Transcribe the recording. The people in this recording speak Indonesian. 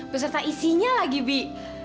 beserta isinya lagi bi